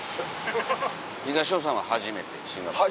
東野さんは初めてシンガポール。